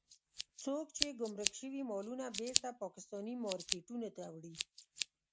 څوک يې ګمرک شوي مالونه بېرته پاکستاني مارکېټونو ته وړي.